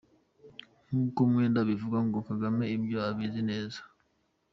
Nk’uko Mwenda abivuga ngo “Kagame ibyo abizi neza.